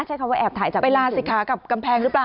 ใช้คำว่าแอบถ่ายจับไปลาสิคะกับกำแพงหรือเปล่า